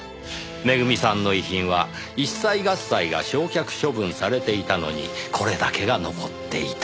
めぐみさんの遺品は一切合切が焼却処分されていたのにこれだけが残っていた。